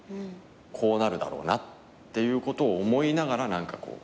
こうなるだろうなっていうことを思いながら何かこう。